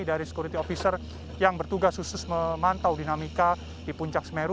dari security officer yang bertugas khusus memantau dinamika di puncak semeru